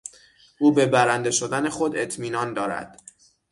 او به برنده شدن خود اطمینان دارد.